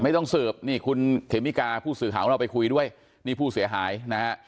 ต้องสืบนี่คุณเขมิกาผู้สื่อข่าวของเราไปคุยด้วยนี่ผู้เสียหายนะฮะ